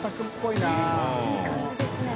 いい感じですね。